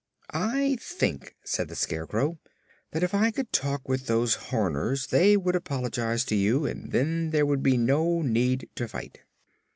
"I think," said the Scarecrow, "that if I could talk with those Horners they would apologize to you, and then there would be no need to fight."